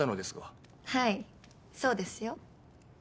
はいそうですよ。